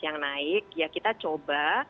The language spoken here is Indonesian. yang naik ya kita coba